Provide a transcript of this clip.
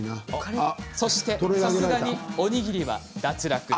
そしてさすがにおにぎりは脱落。